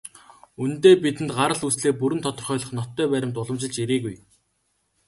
Үнэндээ, бидэнд гарал үүслээ бүрэн тодорхойлох ноттой баримт уламжилж ирээгүй.